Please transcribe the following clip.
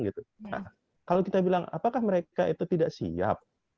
nah kalau kita bilang apakah mereka itu tidak siap